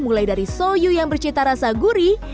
mulai dari soyu yang bercita rasa gurih